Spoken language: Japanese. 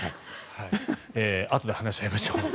あとで話し合いましょう。